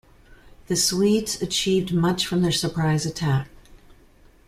The Swedes achieved much from their surprise attack.